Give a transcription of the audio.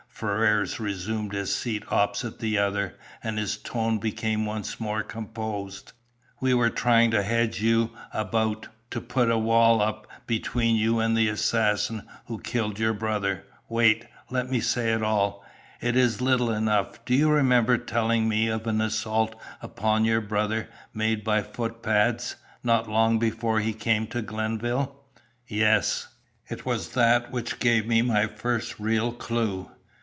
Ferrars resumed his seat opposite the other, and his tone became once more composed. "We were trying to 'hedge you about,' to put up a wall between you and the assassin who killed your brother. Wait! Let me say it all. It is little enough. Do you remember telling me of an 'assault' upon your brother, made by footpads, not long before he came to Glenville?" "Yes." "It was that which gave me my first real clue.